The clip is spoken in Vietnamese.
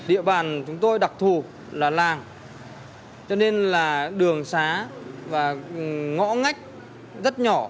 địa bàn chúng tôi đặc thù là làng cho nên là đường xá và ngõ ngách rất nhỏ